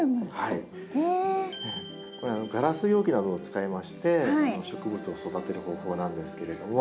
これガラス容器などを使いまして植物を育てる方法なんですけれども。